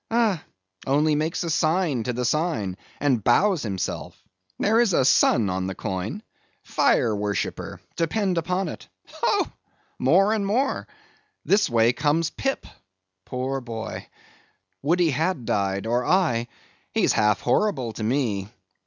Ah, only makes a sign to the sign and bows himself; there is a sun on the coin—fire worshipper, depend upon it. Ho! more and more. This way comes Pip—poor boy! would he had died, or I; he's half horrible to me.